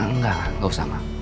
enggak enggak usah ma